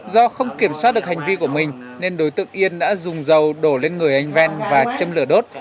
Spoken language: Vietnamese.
do không kiểm soát được hành vi của mình nên đối tượng yên đã dùng dầu đổ lên người anh ven và châm lửa đốt